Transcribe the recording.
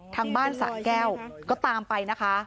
ทางบ้านสะแก้วก็ตามไปนะคะ